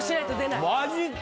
マジか。